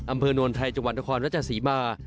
อำเภอโนนไทยจังหวัดทครรภาครรัชศาสตร์ศรีมาร์